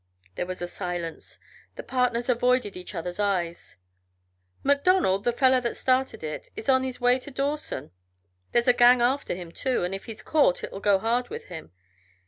There was a silence; the partners avoided each other's eyes. "MacDonald, the fellow that started it, is on his way to Dawson. There's a gang after him, too, and if he's caught it'll go hard with him.